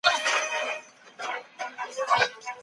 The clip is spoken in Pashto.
هغه له يوې خوا نابلده کورته راغلې ده.